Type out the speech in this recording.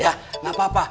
ya gak apa apa